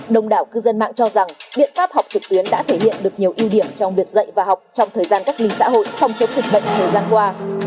đồng đảo cư dân mạng cho rằng biện pháp học trực tuyến đã thể hiện được nhiều ưu điểm trong việc dạy và học trong thời gian cách ly xã hội phòng chống dịch bệnh thời gian qua